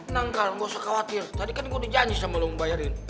nangkal gak usah khawatir tadi kan gue dijanji sama lo ngebayarin